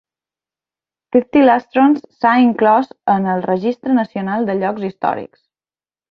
Fifty Lustrons s'ha inclòs en el Registre nacional de llocs històrics.